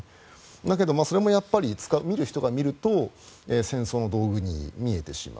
だけどそれもやっぱり見る人が見ると戦争の道具に見えてしまう。